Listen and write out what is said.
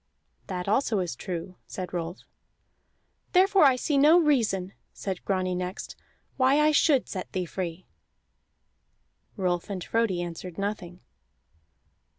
"That also is true," said Rolf. "Therefore I see no reason," said Grani next, "why I should set thee free." Rolf and Frodi answered nothing.